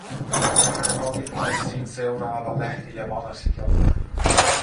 Tänään valittaisiin seuraava lähtijä varasijalta.